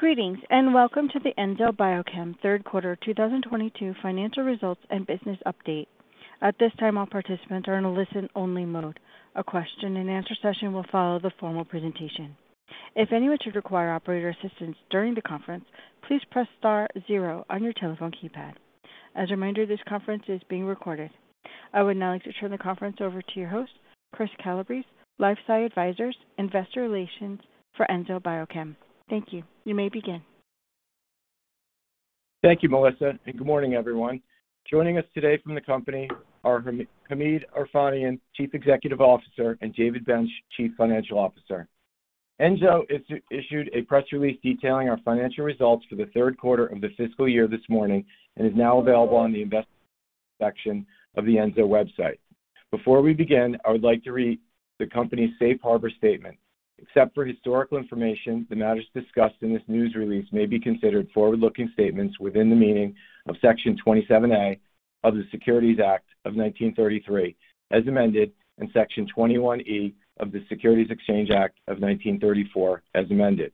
Greetings, and welcome to the Enzo Biochem Q3 2022 Financial Results and Business Update. At this time, all participants are in a listen-only mode. A question-and-answer session will follow the formal presentation. If anyone should require operator assistance during the conference, please press star zero on your telephone keypad. As a reminder, this conference is being recorded. I would now like to turn the conference over to your host, Chris Calabrese, LifeSci Advisors, investor relations for Enzo Biochem. Thank you. You may begin. Thank you, Melissa, and good morning, everyone. Joining us today from the company are Hamid Erfanian, Chief Executive Officer, and David Bench, Chief Financial Officer. Enzo issued a press release detailing our financial results for the Q3 of the fiscal year this morning and is now available on the Investor section of the Enzo website. Before we begin, I would like to read the company's safe harbor statement. Except for historical information, the matters discussed in this news release may be considered forward-looking statements within the meaning of Section 27A of the Securities Act of 1933, as amended, and Section 21E of the Securities Exchange Act of 1934, as amended.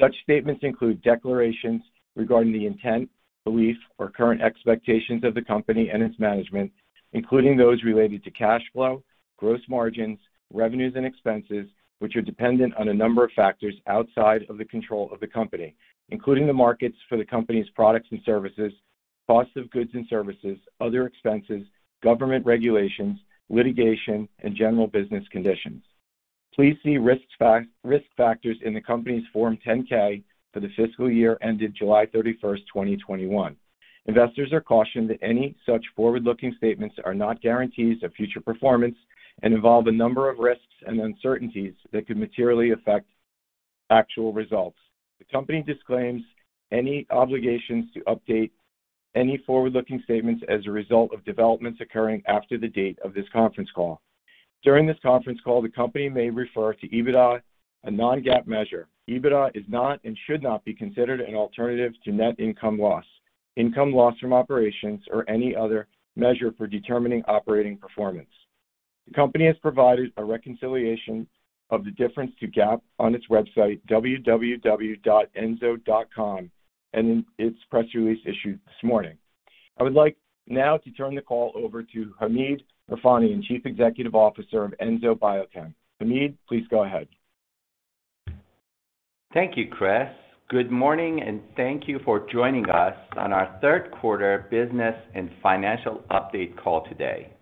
Such statements include declarations regarding the intent, belief, or current expectations of the company and its management, including those related to cash flow, gross margins, revenues, and expenses, which are dependent on a number of factors outside of the control of the company, including the markets for the company's products and services, cost of goods and services, other expenses, government regulations, litigation, and general business conditions. Please see risk factors in the company's Form 10-K for the fiscal year ended July 31, 2021. Investors are cautioned that any such forward-looking statements are not guarantees of future performance and involve a number of risks and uncertainties that could materially affect actual results. The company disclaims any obligations to update any forward-looking statements as a result of developments occurring after the date of this conference call. During this conference call, the company may refer to EBITDA, a non-GAAP measure. EBITDA is not and should not be considered an alternative to net income loss, income loss from operations, or any other measure for determining operating performance. The company has provided a reconciliation of the difference to GAAP on its website, www.enzo.com, and in its press release issued this morning. I would like now to turn the call over to Hamid Erfanian, Chief Executive Officer of Enzo Biochem. Hamid, please go ahead. Thank you, Chris. Good morning and thank you for joining us on our Q3 business and financial update call today.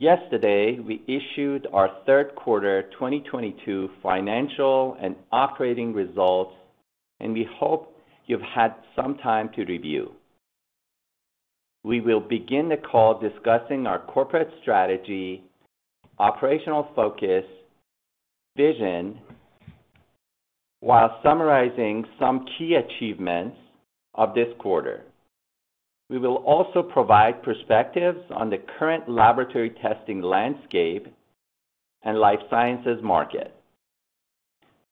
Yesterday, we issued our Q3 2022 financial and operating results, and we hope you've had some time to review. We will begin the call discussing our corporate strategy, operational focus, vision, while summarizing some key achievements of this quarter. We will also provide perspectives on the current laboratory testing landscape and life sciences market.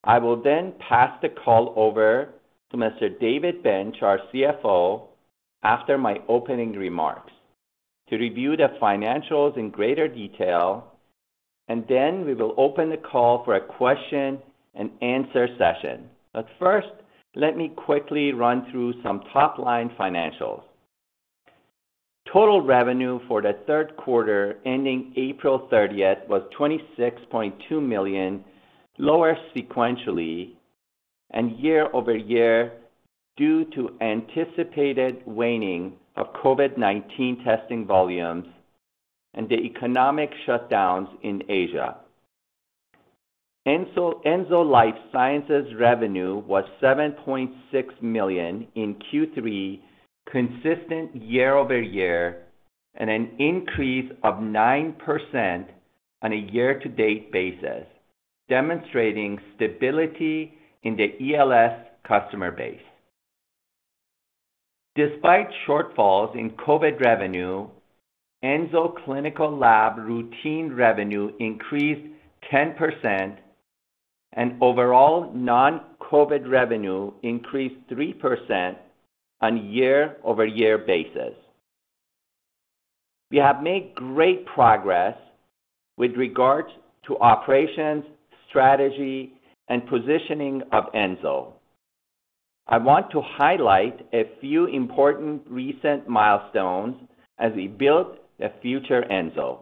I will then pass the call over to Mr. David Bench, our CFO, after my opening remarks to review the financials in greater detail, and then we will open the call for a question and answer session. First, let me quickly run through some top-line financials. Total revenue for the Q3 ending April 30 was $26.2 million, lower sequentially and year-over-year due to anticipated waning of COVID-19 testing volumes and the economic shutdowns in Asia. Enzo Life Sciences revenue was $7.6 million in Q3, consistent year-over-year and an increase of 9% on a year-to-date basis, demonstrating stability in the ELS customer base. Despite shortfalls in COVID revenue, Enzo Clinical Labs routine revenue increased 10% and overall non-COVID revenue increased 3% on a year-over-year basis. We have made great progress with regard to operations, strategy, and positioning of Enzo. I want to highlight a few important recent milestones as we build the future Enzo.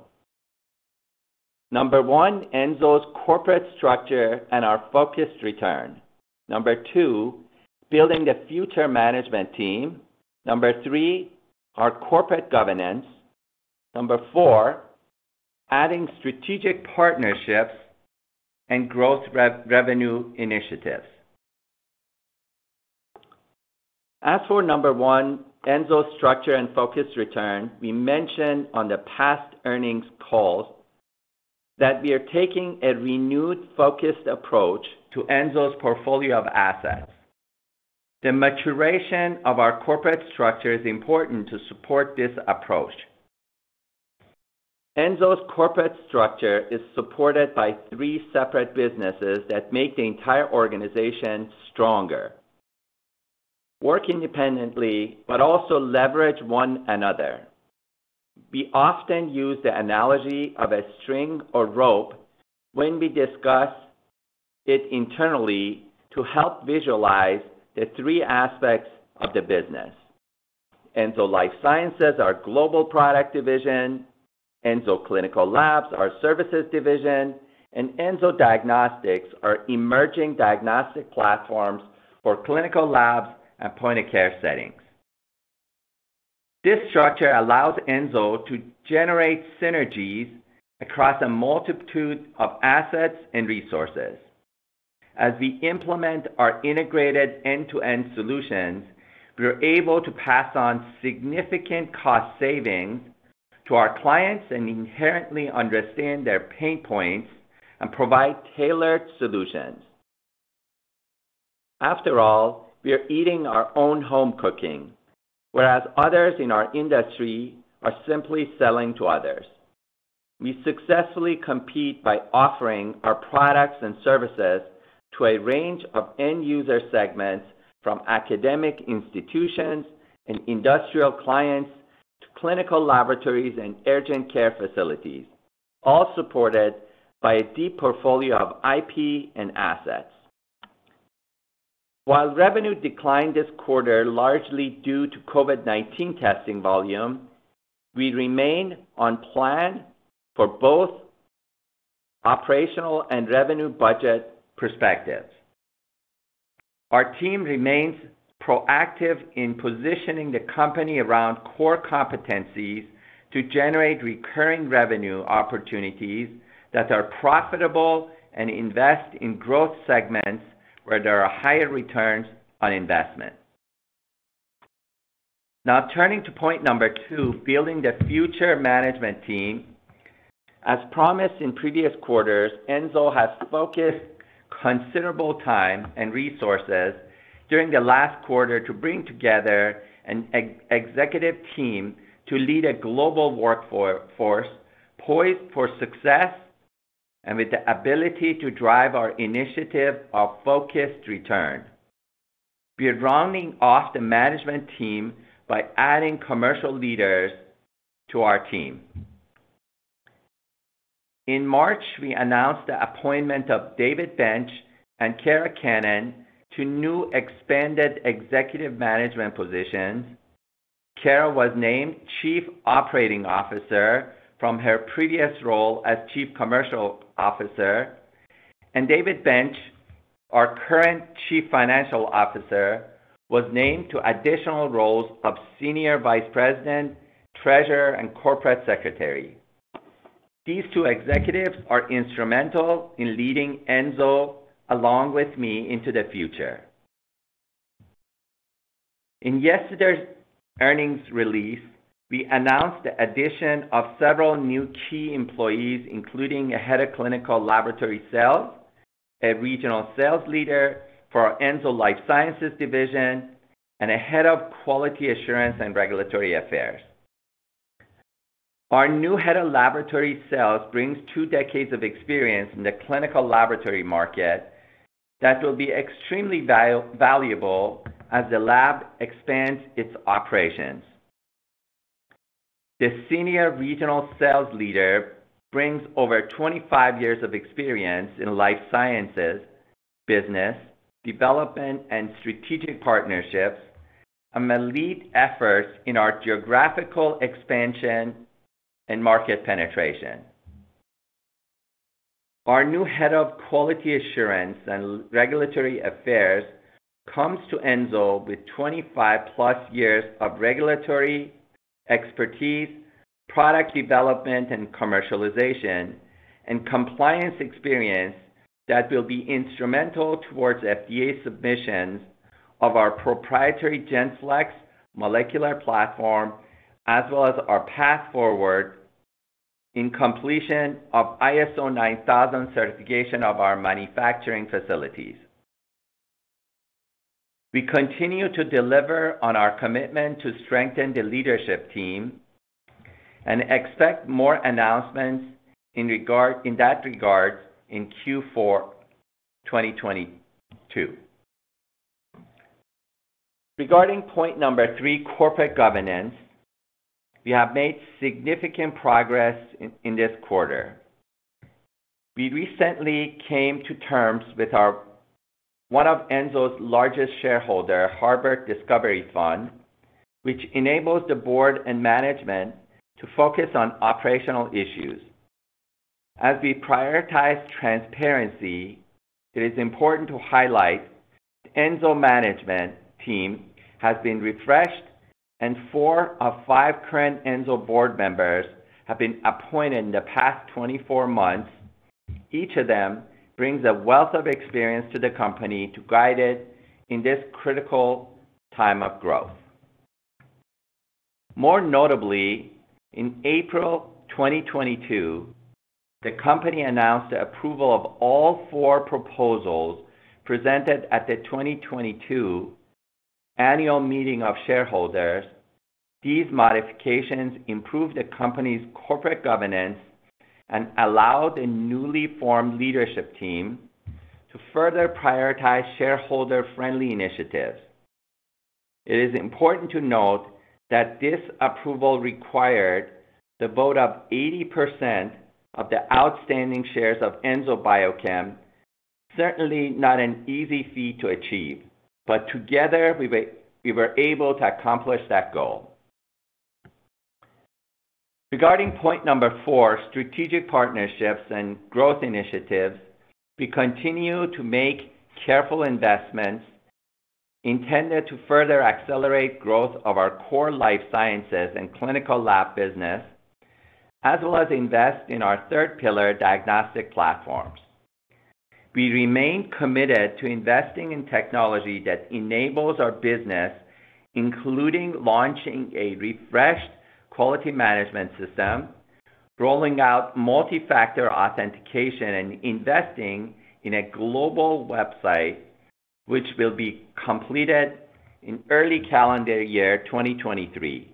Number one, Enzo's corporate structure and our focused return. Number two, building the future management team. Number three, our corporate governance. Number four, adding strategic partnerships and growth revenue initiatives. As for number one, Enzo's structure and focused return, we mentioned on the past earnings calls that we are taking a renewed focused approach to Enzo's portfolio of assets. The maturation of our corporate structure is important to support this approach. Enzo's corporate structure is supported by three separate businesses that make the entire organization stronger. Work independently but also leverage one another. We often use the analogy of a string or rope when we discuss it internally to help visualize the three aspects of the business. Enzo Life Sciences, our global product division, Enzo Clinical Labs, our services division, and Enzo Diagnostics, our emerging diagnostic platforms for clinical labs and point-of-care settings. This structure allows Enzo to generate synergies across a multitude of assets and resources. As we implement our integrated end-to-end solutions, we are able to pass on significant cost savings to our clients and inherently understand their pain points and provide tailored solutions. After all, we are eating our own home cooking, whereas others in our industry are simply selling to others. We successfully compete by offering our products and services to a range of end user segments, from academic institutions and industrial clients to clinical laboratories and urgent care facilities, all supported by a deep portfolio of IP and assets. While revenue declined this quarter, largely due to COVID-19 testing volume, we remain on plan for both operational and revenue budget perspectives. Our team remains proactive in positioning the company around core competencies to generate recurring revenue opportunities that are profitable and invest in growth segments where there are higher returns on investment. Now turning to point number two, building the future management team. As promised in previous quarters, Enzo has focused considerable time and resources during the last quarter to bring together an executive team to lead a global workforce poised for success and with the ability to drive our initiative of focused return. We are rounding off the management team by adding commercial leaders to our team. In March, we announced the appointment of David Bench and Kara Cannon to new expanded executive management positions. Kara was named Chief Operating Officer from her previous role as Chief Commercial Officer, and David Bench, our current Chief Financial Officer, was named to additional roles of Senior Vice President, Treasurer, and Corporate Secretary. These two executives are instrumental in leading Enzo, along with me, into the future. In yesterday's earnings release, we announced the addition of several new key employees, including a Head of Clinical Laboratory Sales, a Regional Sales Leader for our Enzo Life Sciences division, and a Head of Quality Assurance and Regulatory Affairs. Our new Head of Laboratory Sales brings two decades of experience in the clinical laboratory market that will be extremely valuable as the lab expands its operations. The Senior Regional Sales Leader brings over 25 years of experience in life sciences, business development, and strategic partnerships and will lead efforts in our geographical expansion and market penetration. Our new Head of Quality Assurance and Regulatory Affairs comes to Enzo with 25+ years of regulatory expertise, product development and commercialization, and compliance experience that will be instrumental towards FDA submissions of our proprietary GENFLEX molecular platform, as well as our path forward in completion of ISO 9000 certification of our manufacturing facilities. We continue to deliver on our commitment to strengthen the leadership team and expect more announcements in that regard in Q4 2022. Regarding point number three, corporate governance, we have made significant progress in this quarter. We recently came to terms with one of Enzo's largest shareholder, Harbert Discovery Fund, which enables the board and management to focus on operational issues. As we prioritize transparency, it is important to highlight Enzo management team has been refreshed, and four of five current Enzo board members have been appointed in the past 24 months. Each of them brings a wealth of experience to the company to guide it in this critical time of growth. More notably, in April 2022, the company announced the approval of all four proposals presented at the 2022 Annual Meeting of Shareholders. These modifications improve the company's corporate governance and allow the newly formed leadership team to further prioritize shareholder-friendly initiatives. It is important to note that this approval required the vote of 80% of the outstanding shares of Enzo Biochem, certainly not an easy feat to achieve, but together, we were able to accomplish that goal. Regarding point number four, strategic partnerships and growth initiatives, we continue to make careful investments intended to further accelerate growth of our core life sciences and clinical lab business, as well as invest in our third pillar, diagnostic platforms. We remain committed to investing in technology that enables our business, including launching a refreshed quality management system, rolling out multi-factor authentication, and investing in a global website which will be completed in early calendar year 2023.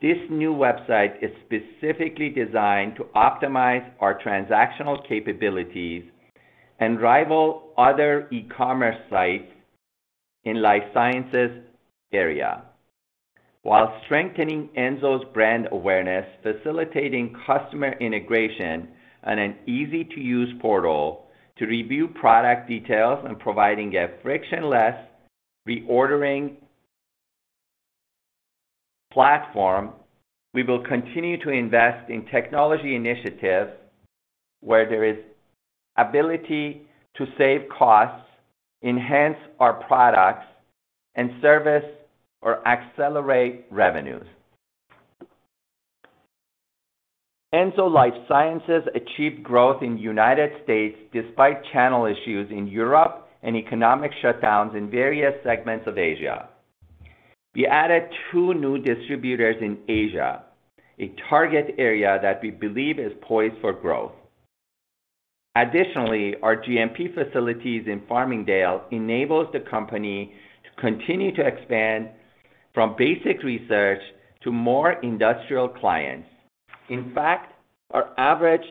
This new website is specifically designed to optimize our transactional capabilities and rival other e-commerce sites in life sciences area. While strengthening Enzo's brand awareness, facilitating customer integration on an easy-to-use portal to review product details and providing a frictionless reordering platform, we will continue to invest in technology initiatives where there is ability to save costs, enhance our products, and service or accelerate revenues. Enzo Life Sciences achieved growth in United States despite channel issues in Europe and economic shutdowns in various segments of Asia. We added two new distributors in Asia, a target area that we believe is poised for growth. Additionally, our GMP facilities in Farmingdale enables the company to continue to expand from basic research to more industrial clients. In fact, our average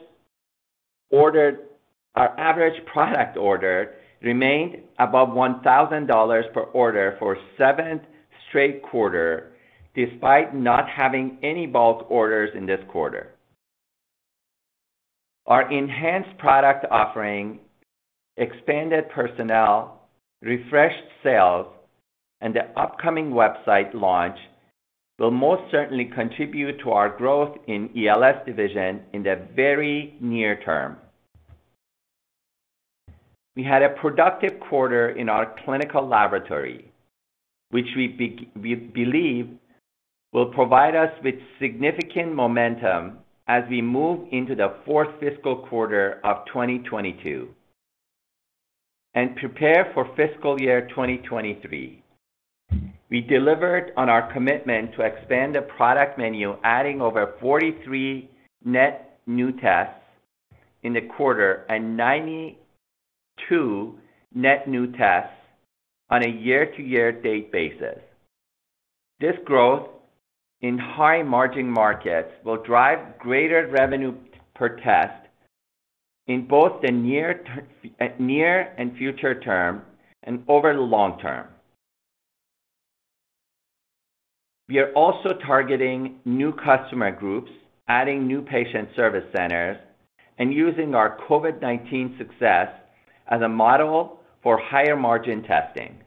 product order remained above $1,000 per order for seventh straight quarter, despite not having any bulk orders in this quarter. Our enhanced product offering, expanded personnel, refreshed sales, and the upcoming website launch will most certainly contribute to our growth in ELS division in the very near term. We had a productive quarter in our clinical laboratory, which we believe will provide us with significant momentum as we move into the fourth fiscal quarter of 2022 and prepare for fiscal year 2023. We delivered on our commitment to expand the product menu, adding over 43 net new tests in the quarter and 92 net new tests on a year-to-date basis. This growth in high-margin markets will drive greater revenue per test in both the near- and long-term. We are also targeting new customer groups, adding new patient service centers, and using our COVID-19 success as a model for higher-margin testing.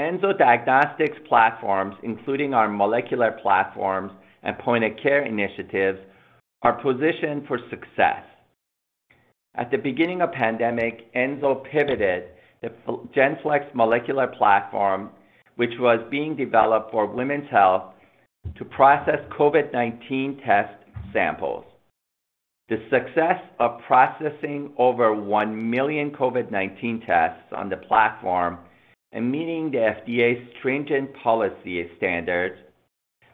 Enzo Diagnostics platforms, including our molecular platforms and point-of-care initiatives, are positioned for success. At the beginning of pandemic, Enzo pivoted the GENFLEX molecular platform, which was being developed for women's health, to process COVID-19 test samples. The success of processing over 1 million COVID-19 tests on the platform and meeting the FDA's stringent policy standards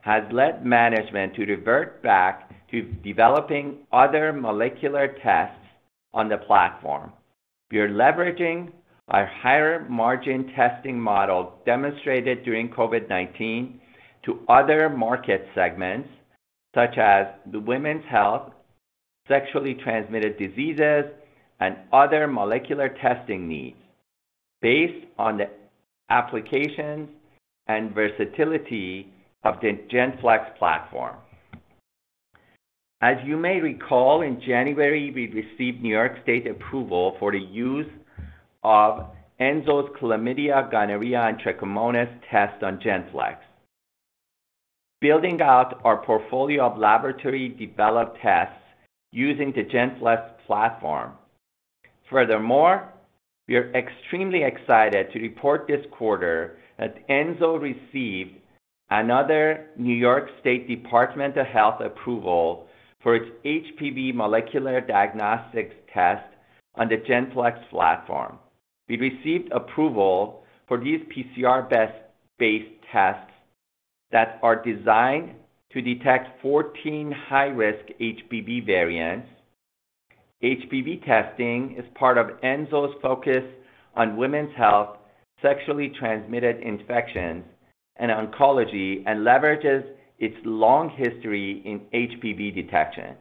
has led management to revert back to developing other molecular tests on the platform. We are leveraging our higher-margin testing model demonstrated during COVID-19 to other market segments, such as the women's health, sexually transmitted diseases, and other molecular testing needs based on the applications and versatility of the GENFLEX platform. As you may recall, in January, we received New York State approval for the use of Enzo's chlamydia, gonorrhea, and trichomonas test on GENFLEX. Building out our portfolio of laboratory-developed tests using the GENFLEX platform. Furthermore, we are extremely excited to report this quarter that Enzo received another New York State Department of Health approval for its HPV molecular diagnostics test on the GENFLEX platform. We received approval for these PCR-based tests that are designed to detect 14 high-risk HPV variants. HPV testing is part of Enzo's focus on women's health, sexually transmitted infections, and oncology, and leverages its long history in HPV detection.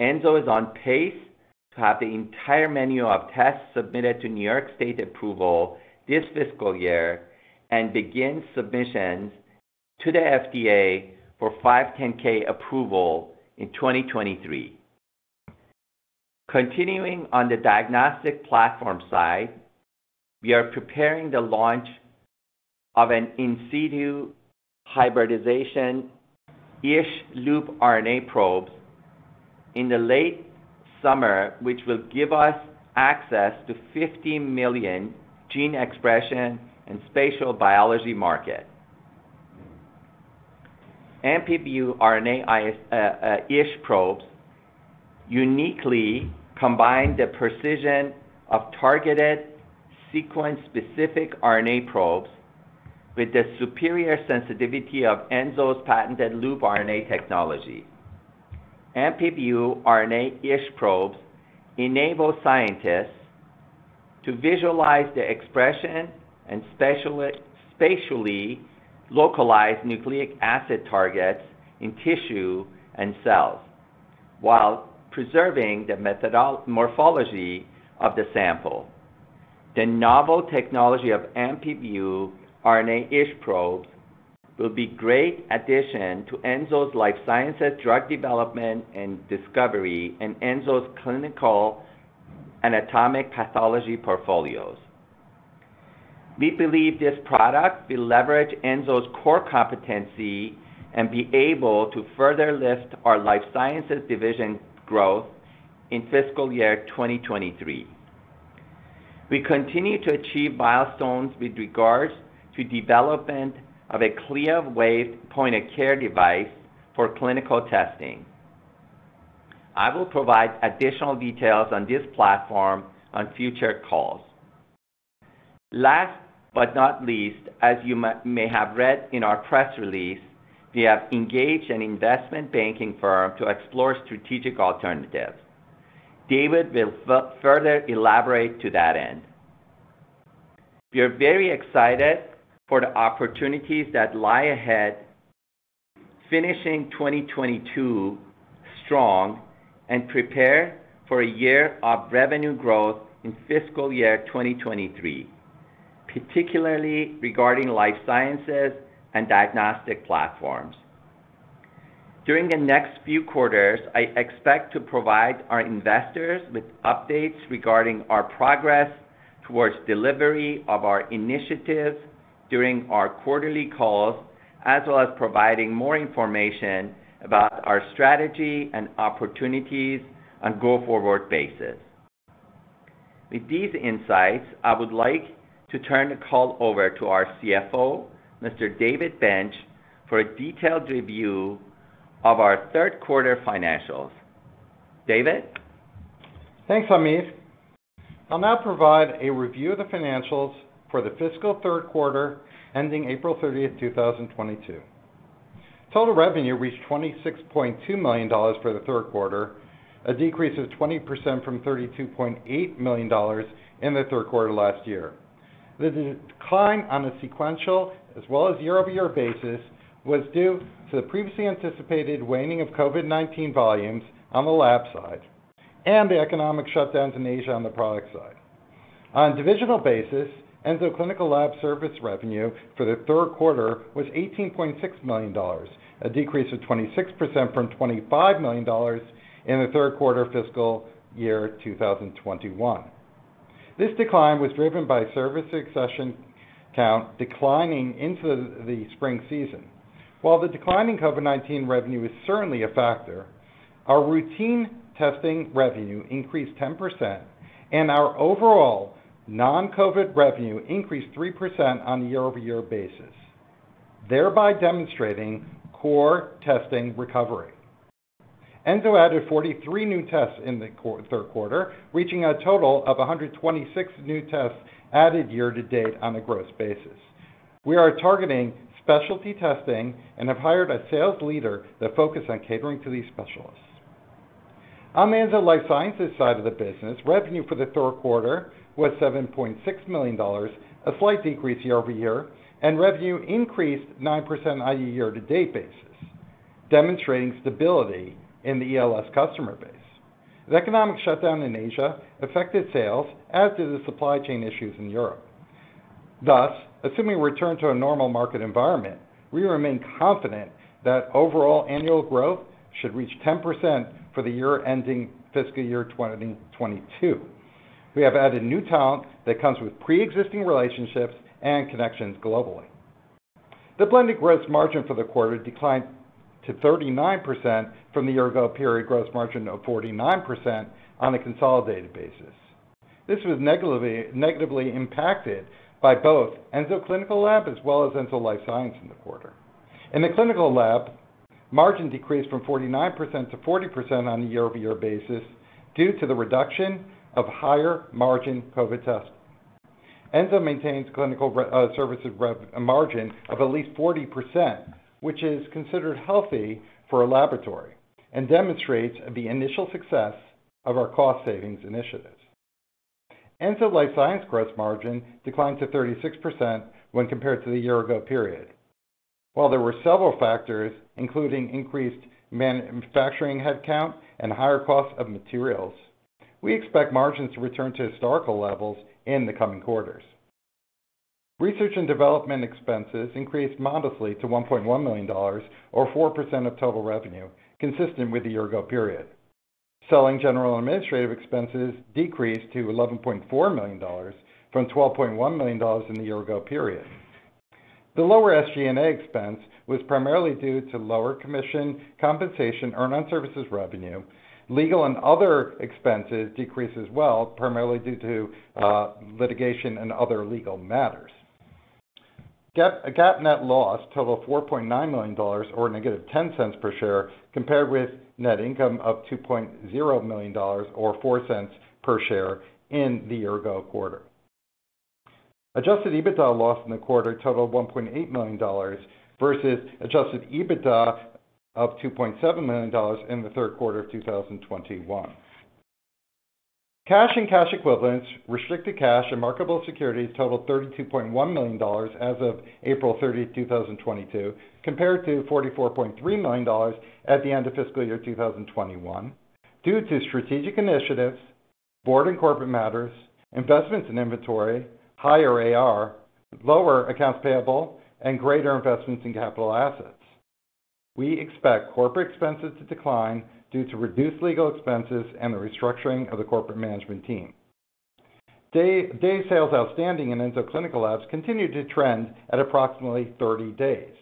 Enzo is on pace to have the entire menu of tests submitted to New York State approval this fiscal year and begin submissions to the FDA for 510(k) approval in 2023. Continuing on the diagnostic platform side, we are preparing the launch of an in-situ hybridization ISH loop RNA probes in the late summer, which will give us access to $50 million gene expression and spatial biology market. AMPIPROBE RNA ISH Probes uniquely combine the precision of targeted sequence-specific RNA probes with the superior sensitivity of Enzo's patented loop RNA technology. AMPIPROBE RNA ISH Probes enable scientists to visualize the expression and spatially localize nucleic acid targets in tissue and cells while preserving the morphology of the sample. The novel technology of MPBU RNA ISH Probes will be great addition to Enzo's life sciences, drug development, and discovery in Enzo's clinical and anatomic pathology portfolios. We believe this product will leverage Enzo's core competency and be able to further lift our life sciences division growth in fiscal year 2023. We continue to achieve milestones with regards to development of a ClearsWave point-of-care device for clinical testing. I will provide additional details on this platform on future calls. Last but not least, as you may have read in our press release, we have engaged an investment banking firm to explore strategic alternatives. David will further elaborate to that end. We are very excited for the opportunities that lie ahead, finishing 2022 strong and prepare for a year of revenue growth in fiscal year 2023, particularly regarding life sciences and diagnostic platforms. During the next few quarters, I expect to provide our investors with updates regarding our progress towards delivery of our initiatives during our quarterly calls, as well as providing more information about our strategy and opportunities on go-forward basis. With these insights, I would like to turn the call over to our CFO, Mr. David Bench, for a detailed review of our Q3 financials. David? Thanks, Hamid. I'll now provide a review of the financials for the fiscal Q3 ending April thirtieth, two thousand twenty-two. Total revenue reached $26.2 million for the Q3, a decrease of 20% from $32.8 million in the Q3 last year. The decline on a sequential as well as year-over-year basis was due to the previously anticipated waning of COVID-19 volumes on the lab side and the economic shutdowns in Asia on the product side. On a divisional basis, Enzo Clinical Labs service revenue for the Q3 was $18.6 million, a decrease of 26% from $25 million in the Q3 fiscal year two thousand twenty-one. This decline was driven by service accession count declining into the spring season. While the decline in COVID-19 revenue is certainly a factor, our routine testing revenue increased 10% and our overall non-COVID revenue increased 3% on a year-over-year basis, thereby demonstrating core testing recovery. Enzo added 43 new tests in the Q3, reaching a total of 126 new tests added year-to-date on a gross basis. We are targeting specialty testing and have hired a sales leader that focus on catering to these specialists. On the Enzo Life Sciences side of the business, revenue for the Q3 was $7.6 million, a slight decrease year-over-year, and revenue increased 9% on a year-to-date basis, demonstrating stability in the ELS customer base. The economic shutdown in Asia affected sales, as did the supply chain issues in Europe. Thus, assuming return to a normal market environment, we remain confident that overall annual growth should reach 10% for the year ending fiscal year 2022. We have added new talent that comes with pre-existing relationships and connections globally. The blended gross margin for the quarter declined to 39% from the year ago period gross margin of 49% on a consolidated basis. This was negatively impacted by both Enzo Clinical Labs as well as Enzo Life Sciences in the quarter. In the Clinical Lab, margin decreased from 49% to 40% on a year-over-year basis due to the reduction of higher margin COVID tests. Enzo maintains clinical services margin of at least 40%, which is considered healthy for a laboratory and demonstrates the initial success of our cost savings initiatives. Enzo Life Sciences gross margin declined to 36% when compared to the year-ago period. While there were several factors, including increased manufacturing headcount and higher cost of materials, we expect margins to return to historical levels in the coming quarters. Research and development expenses increased modestly to $1.1 million or 4% of total revenue, consistent with the year-ago period. Selling general and administrative expenses decreased to $11.4 million from $12.1 million in the year-ago period. The lower SG&A expense was primarily due to lower commission compensation earned on services revenue. Legal and other expenses decreased as well, primarily due to litigation and other legal matters. GAAP net loss totaled $4.9 million or -$0.10 per share, compared with net income of $2.0 million or $0.04 per share in the year-ago quarter. Adjusted EBITDA loss in the quarter totaled $1.8 million versus adjusted EBITDA of $2.7 million in the Q3 of 2021. Cash and cash equivalents, restricted cash and marketable securities totaled $32.1 million as of April 30, 2022, compared to $44.3 million at the end of fiscal year 2021 due to strategic initiatives, board and corporate matters, investments in inventory, higher AR, lower accounts payable, and greater investments in capital assets. We expect corporate expenses to decline due to reduced legal expenses and the restructuring of the corporate management team. Days sales outstanding in Enzo Clinical Labs continued to trend at approximately 30 days.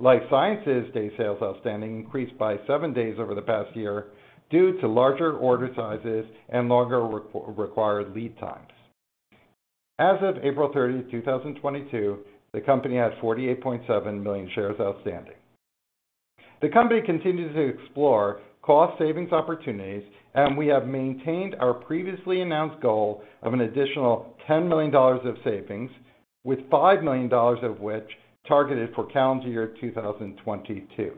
Life Sciences days sales outstanding increased by seven days over the past year due to larger order sizes and longer required lead times. As of April 30, 2022, the company has 48.7 million shares outstanding. The company continues to explore cost savings opportunities, and we have maintained our previously announced goal of an additional $10 million of savings, with $5 million of which targeted for calendar year 2022.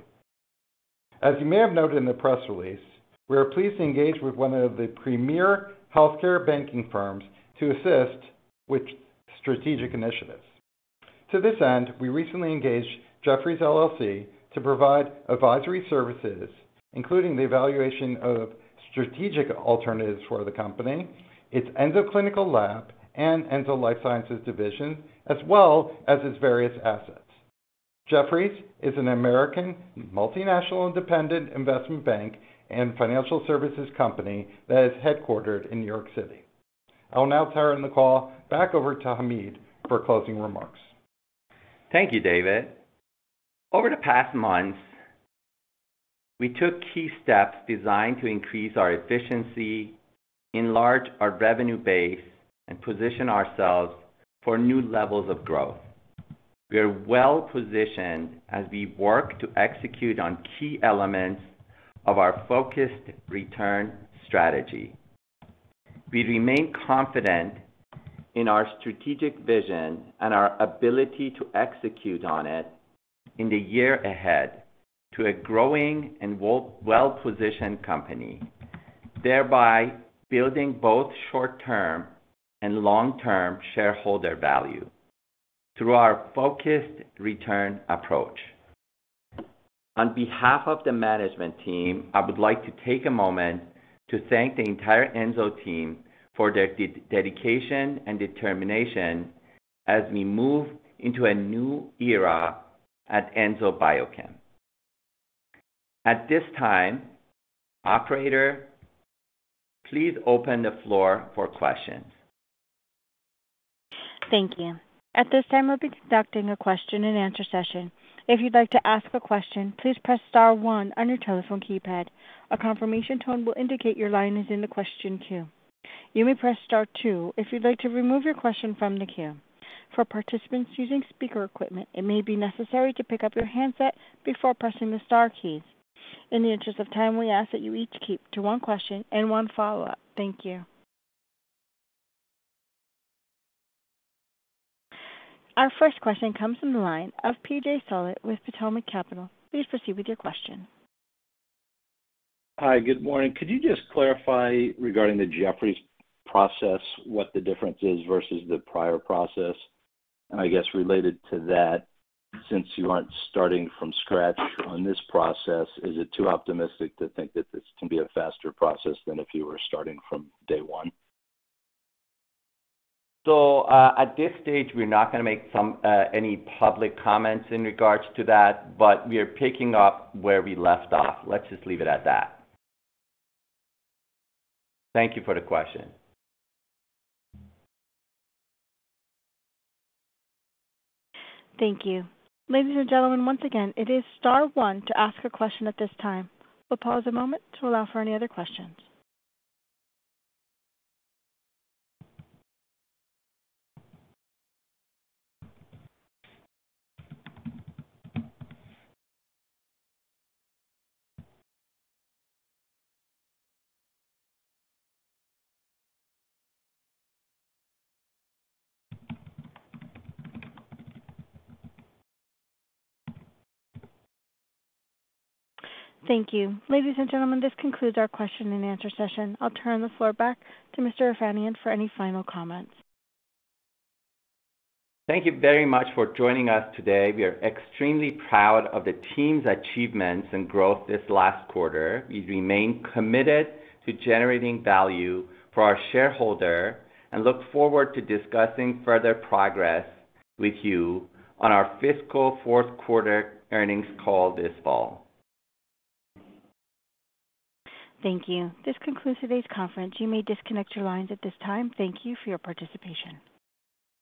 As you may have noted in the press release, we are pleased to engage with one of the premier healthcare banking firms to assist with strategic initiatives. To this end, we recently engaged Jefferies LLC to provide advisory services, including the evaluation of strategic alternatives for the company, its Enzo Clinical Labs and Enzo Life Sciences division, as well as its various assets. Jefferies is an American multinational independent investment bank and financial services company that is headquartered in New York City. I will now turn the call back over to Hamid for closing remarks. Thank you, David. Over the past months, we took key steps designed to increase our efficiency, enlarge our revenue base, and position ourselves for new levels of growth. We are well positioned as we work to execute on key elements of our focused return strategy. We remain confident in our strategic vision and our ability to execute on it in the year ahead to a growing and well positioned company, thereby building both short-term and long-term shareholder value through our focused return approach. On behalf of the management team, I would like to take a moment to thank the entire Enzo team for their dedication and determination as we move into a new era at Enzo Biochem. At this time, operator, please open the floor for questions. Thank you. At this time, we'll be conducting a question-and-answer session. If you'd like to ask a question, please press star one on your telephone keypad. A confirmation tone will indicate your line is in the question queue. You may press star two if you'd like to remove your question from the queue. For participants using speaker equipment, it may be necessary to pick up your handset before pressing the star keys. In the interest of time, we ask that you each keep to one question and one follow-up. Thank you. Our first question comes from the line of PJ Solit with Potomac Capital. Please proceed with your question. Hi. Good morning. Could you just clarify regarding the Jefferies process, what the difference is versus the prior process? I guess related to that, since you aren't starting from scratch on this process, is it too optimistic to think that this can be a faster process than if you were starting from day one? At this stage, we're not gonna make any public comments in regard to that, but we are picking up where we left off. Let's just leave it at that. Thank you for the question. Thank you. Ladies and gentlemen, once again, it is star one to ask a question at this time. We'll pause a moment to allow for any other questions. Thank you. Ladies and gentlemen, this concludes our question-and-answer session. I'll turn the floor back to Mr. Erfanian for any final comments. Thank you very much for joining us today. We are extremely proud of the team's achievements and growth this last quarter. We remain committed to generating value for our shareholder and look forward to discussing further progress with you on our fiscal Q4 earnings call this fall. Thank you. This concludes today's conference. You may disconnect your lines at this time. Thank you for your participation.